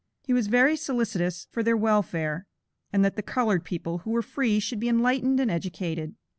He was very solicitous for their welfare, and that the colored people who were free should be enlightened and educated.